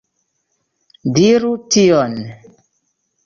Diru tion.